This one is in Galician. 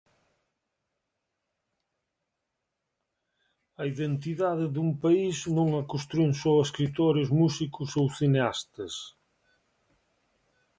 A identidade dun país non a constrúen só escritores, músicos ou cineastas.